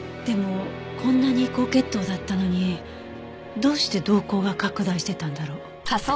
でもこんなに高血糖だったのにどうして瞳孔が拡大してたんだろう。